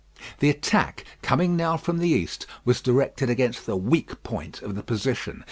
The attack, coming now from the east, was directed against the weak point of the position.